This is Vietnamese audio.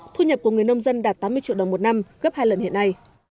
thu nhập của người nông dân đạt tám mươi triệu đồng một năm gấp hai lần hiện nay